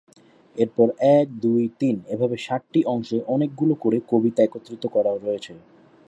এরপর এক, দুই, তিন এভাবে সাতটি অংশে অনেকগুলো করে কবিতা একত্রিত করা হয়েছে।